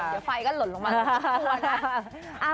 เดี๋ยวไฟก็หล่นลงมา